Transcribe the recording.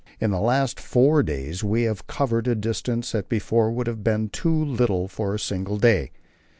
In the last four days we have covered a distance that before would have been too little for a single day.